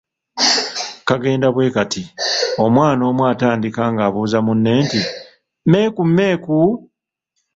Kagenda bwe kati; omwana omu atandika ng’abuuza munne nti, Mmeeku, mmeeku?